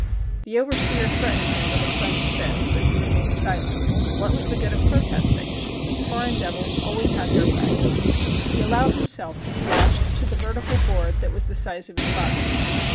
The overseer threatened him with a clenched fist, and he remained silent. What was the good of protesting ? Those foreign devils al ways had their way. He allowed himself to be lashed to the vertical .board that was the size of his body.